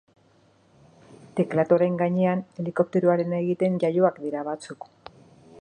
Teklatuaren gainean helikopteroarena egiten jaioak dira batzuk.